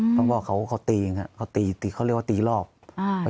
อืมต้องบอกเขาว่าเขาตีอย่างน่ะเขาตีตีเขาเรียกว่าตีรอบอ่า